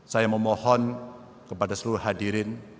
saya memohon kepada seluruh hadirin